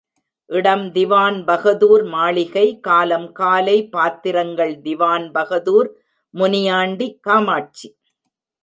இடம் திவான்பகதூர் மாளிகை காலம் காலை பாத்திரங்கள் திவான்பகதூர், முனியாண்டி, காமாட்சி.